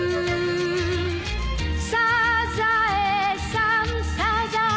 「サザエさんサザエさん」